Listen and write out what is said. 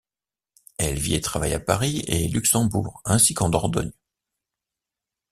Elle vit et travaille à Paris et Luxembourg, ainsi qu'en Dordogne.